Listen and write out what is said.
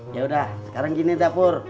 yaudah sekarang gini dah pur